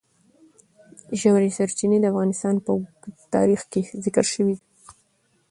ژورې سرچینې د افغانستان په اوږده تاریخ کې ذکر شوی دی.